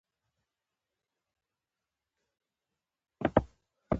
ه داسې حال کې چې هغه د ماهي په خوله کې دی